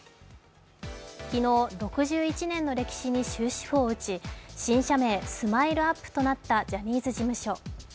昨日６１年の歴史に終止符を打ち、新社名ＳＭＩＬＥ−ＵＰ．となったジャニーズ事務所。